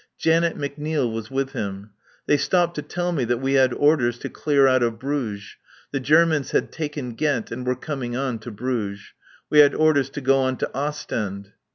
Janet McNeil was with him. They stopped to tell me that we had orders to clear out of Bruges. The Germans had taken Ghent and were coming on to Bruges. We had orders to go on to Ostend.